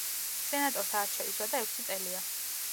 სენატორთა არჩევის ვადა ექვსი წელია.